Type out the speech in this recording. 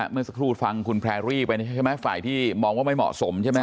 เมื่อสักครู่ฟังคุณแพรรี่ไปใช่ไหมฝ่ายที่มองว่าไม่เหมาะสมใช่ไหม